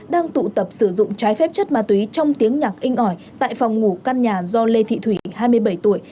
đang tụ tập sử dụng trái phép chất ma túy trong tiếng nhạc in ỏi tại phòng ngủ căn nhà do lê thị thủy hai mươi bảy tuổi